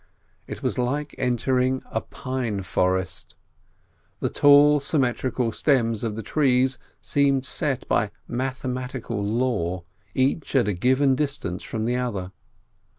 It was like entering a pine forest; the tall symmetrical stems of the trees seemed set by mathematical law, each at a given distance from the other.